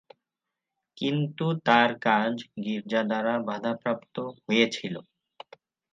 কিন্তু তার কাজ গীর্জা দ্বারা বাধাপ্রাপ্ত হয়েছিল।